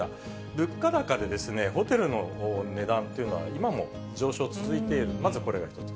物価高でホテルの値段というのは、今も上昇続いていると、まずこれが１つ。